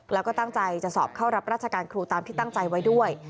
แล้วก็ตั้งใจจะสอบเข้ารับราชการครูตามที่ตั้งใจไว้ด้วย